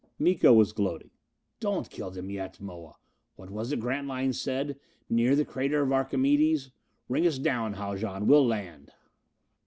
Miko was gloating. "Don't kill them yet, Moa. What was it Grantline said? Near the crater of Archimedes? Ring us down, Haljan! We'll land."